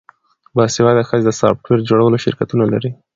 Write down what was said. باسواده ښځې د سافټویر جوړولو شرکتونه لري.